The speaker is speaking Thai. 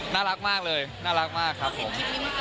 น่ารักมากเลยน่ารักมากครับผม